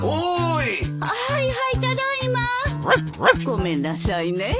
ごめんなさいね。